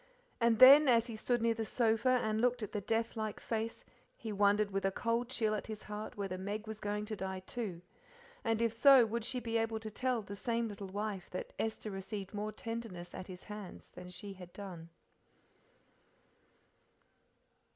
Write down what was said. And then, as he stood near the sofa and looked at the death like face, he wondered with a cold chill at his heart whether Meg was going to die, too, and if so would she be able to tell the same little wife that Esther received more tenderness at his hands than she had done.